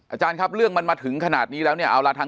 อาจารย์ครับเรื่องมันมาถึงขนาดนี้แล้วเนี่ยเอาล่ะทาง